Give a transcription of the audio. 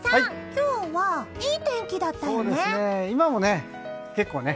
今日はいい天気だったよね。